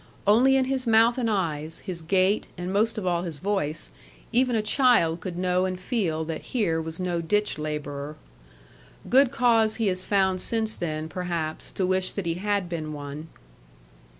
Only in his mouth and eyes, his gait, and most of all his voice, even a child could know and feel that here was no ditch labourer. Good cause he has found since then, perhaps, to wish that he had been one.